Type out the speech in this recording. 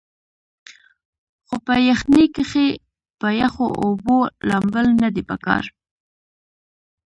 خو پۀ يخنۍ کښې پۀ يخو اوبو لامبل نۀ دي پکار